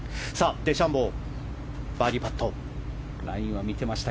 デシャンボーのバーディーパット。